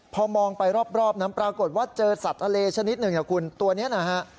พอมองไปรอบนั้นปรากฏว่าเจอสัตว์ทะเลชนิดหนึ่งคุณตัวนี้นะฮะ